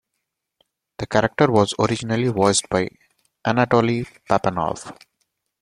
The character was originally voiced by Anatoli Papanov.